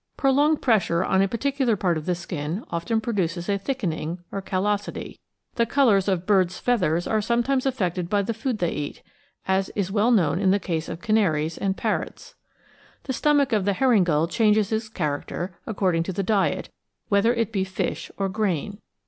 Prolonged pressure on a particular part of the skin often produces a thick ening or callosity. The colours of birds' feathers are sometimes affected by the food they eat, as is well known in the case of cftnaries and parrots. The stomach of the herring gull changes its character according to the diet — whether it be fish or grain.